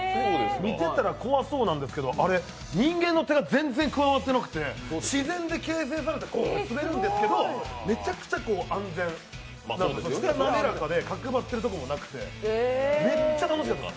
見てたら怖そうなんですけど、人間の手が全然加わってなくて自然で形成されて滑るんですけど、めちゃくちゃ安全、下滑らかで角張ってるところもなくてめっちゃ楽しかった。